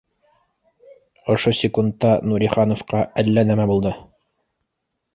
Ошо секундта Нурихановҡа әллә нәмә булды